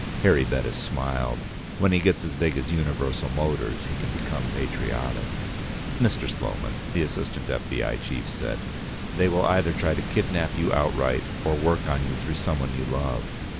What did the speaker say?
Harry Bettis smiled. "When he gets as big as Universal Motors, he can become patriotic." "Mr. Sloman," the assistant F.B.I. chief said, "they will either try to kidnap you outright, or work on you through someone you love.